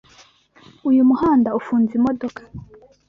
Uyu muhanda ufunze imodoka.